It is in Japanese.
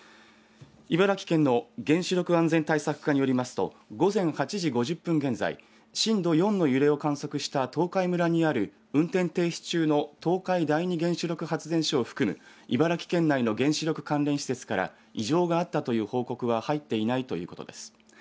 茨城県の原子力安全対策課によりますと午前８時５０分現在、震度４の揺れを観測した東海村にある運転停止中の東海第二原子力発電所を含む茨城県内の原子力関連施設から異常があったという報告は入っていないということです。